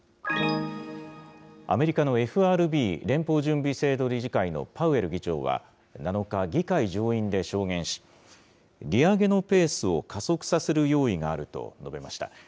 アメリカのＦＲＢ・連邦準備制度理事会のパウエル議長は７日、議会上院で証言し、利上げのペースを加速させる用意があると述べました。